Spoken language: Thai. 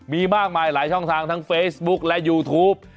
มีมากมายหลายช่องทางทั้งเฟซบุ๊กและยูทูป